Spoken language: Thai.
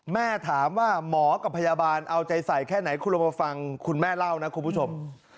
แม่ถามว่าหมอกับพยาบาลเอาใจใส่แค่ไหนคุณลองมาฟังคุณแม่เล่านะคุณผู้ชม